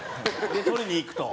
で取りに行くと。